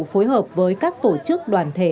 phối hợp với các tổ chức đoàn thể